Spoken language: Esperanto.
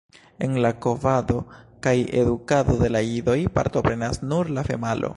En la kovado kaj edukado de la idoj partoprenas nur la femalo.